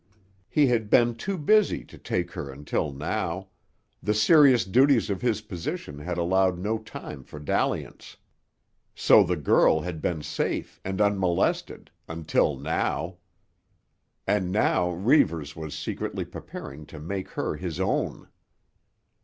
He had been too busy to take her until now; the serious duties of his position had allowed no time for dalliance. So the girl had been safe and unmolested—until now! And now Reivers was secretly preparing to make her his own!